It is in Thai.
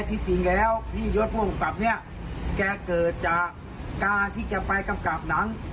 แต่ไม่ใช่ชุมพยานาคนะ